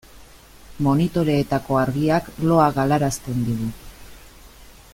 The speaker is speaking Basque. Monitoreetako argiak loa galarazten digu.